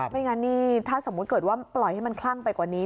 ไม่งั้นนี่ถ้าสมมุติเกิดว่าปล่อยให้มันคลั่งไปกว่านี้